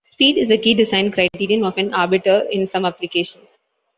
Speed is a key design criterion of an arbiter in some applications.